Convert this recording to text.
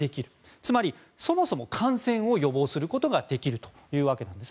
つまり、そもそも感染を予防することができるわけなんです。